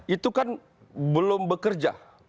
itu kan belum bekerja